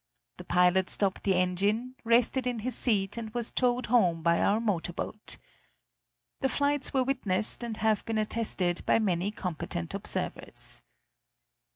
The pilot stopped the engine, rested in his seat, and was towed home by our motor boat. The flights were witnessed and have been attested by many competent observers.